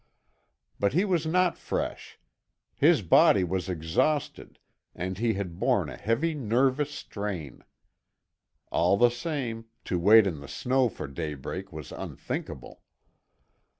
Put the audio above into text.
But he was not fresh; his body was exhausted and he had borne a heavy nervous strain. All the same, to wait in the snow for daybreak was unthinkable.